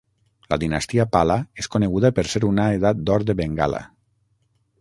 La dinastia Pala és coneguda per ser una edat d'or de Bengala.